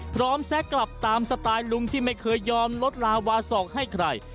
แซะกลับตามสไตล์ลุงที่ไม่เคยยอมลดลาวาสอกให้ใคร